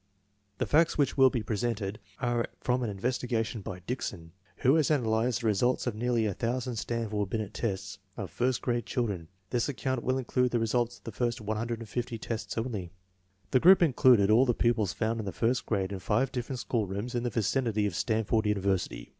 The facts which will be presented are from an investigation by Dickson, who has analyzed the results of nearly a thousand Stanford Binet tests of first grade children. This ac count will include the results of the first 150 tests only. The group included all the pupils found in the first grade in five different schoolrooms in the vicinity of Stanford University.